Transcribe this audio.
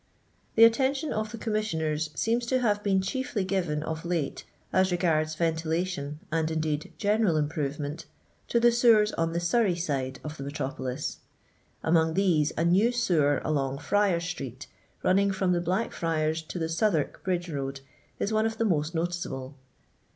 The attention of the Commissioners seems to have been chia^ given of late, as regards ventila tion and indeed general improvement, to the sewers on the Surrey side of the metropolisL Among these a new sewer along Friar street, run ning from the Blackfriars to the Southwark bridge road, is one of the most noticeable.